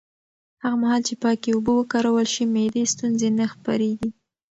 هغه مهال چې پاکې اوبه وکارول شي، معدي ستونزې نه خپرېږي.